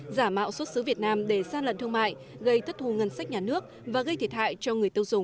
giả mạo xuất xứ việt nam để gian lận thương mại gây thất thù ngân sách nhà nước và gây thiệt hại cho người tiêu dùng